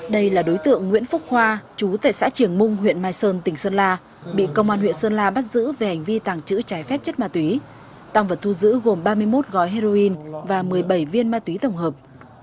đây là đối tượng nguyễn phúc hoa chú tại xã triềng mung huyện mai sơn tỉnh sơn la bị công an huyện sơn la bắt giữ về hành vi tàng trữ trái phép chất ma túy tăng vật thu giữ gồm ba mươi một gói heroin và một mươi bảy viên ma túy tổng hợp